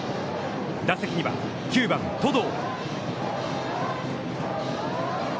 打席には、９番登藤。